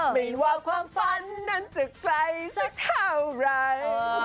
ไม่ว่าความฝันนั้นจะไกลสักเท่าไร